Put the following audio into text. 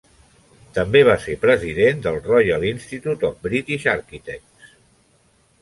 També va ser president del Royal Institute of British Architects.